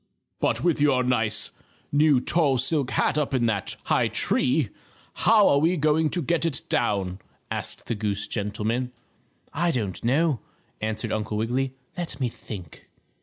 "But with your nice, new tall silk hat up in that high tree, how are we ever going to get it down," asked the goose gentleman. "I don't know," answered Uncle Wiggily. "Let me think."